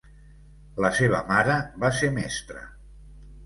La seva mare va ser mestra.